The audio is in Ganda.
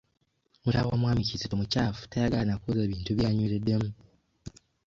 Mukyala wa mwami Kizito mukyafu tayagala na kwoza bintu by'anywereddemu.